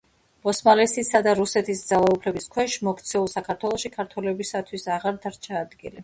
ოსმალეთისა და რუსეთის ძალაუფლების ქვეშ მოქცეულ საქართველოში ქართველებისთვის აღარ დარჩა ადგილი.